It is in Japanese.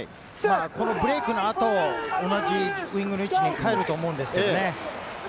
ブレークの後、同じウイングの位置に入ると思うんですよね。